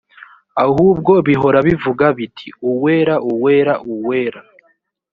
ahubwo bihora bivuga biti “uwera, uwera, uwera”